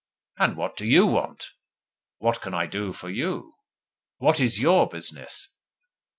And what do YOU want? What can I do for YOU? What is YOUR business?